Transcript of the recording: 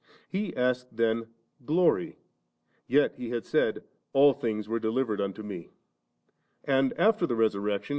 He asked then glory, yet He had said, * All things were delivered unto Me*.* And after the resurrection.